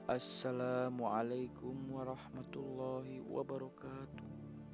assalamualaikum warahmatullahi wabarakatuh